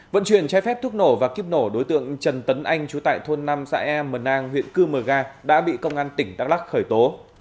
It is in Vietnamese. vận chuyển trái phép thuốc nổ và kiếp nổ đối tượng trần tấn anh trú tại thôn năm xã e mờ nang huyện cư mờ ga đã bị công an tỉnh đắk lắc khởi tố